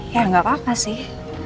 ya nggak apa apa sih